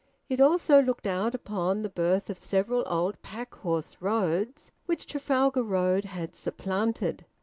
It also looked out upon the birth of several old pack horse roads which Trafalgar Road had supplanted.